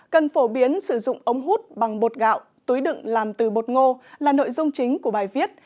cần phổ biến sử dụng ống hút bằng bột gạo túi đựng làm từ bột ngô là nội dung chính của bài viết